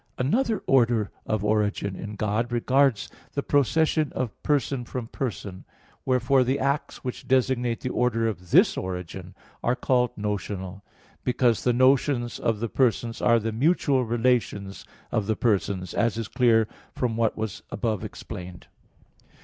Another order of origin in God regards the procession of person from person; wherefore the acts which designate the order of this origin are called notional; because the notions of the persons are the mutual relations of the persons, as is clear from what was above explained (Q.